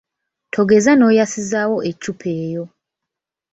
Togeza n’oyasizaawo eccupa eyo.